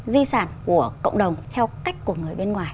di sản của cộng đồng theo cách của người bên ngoài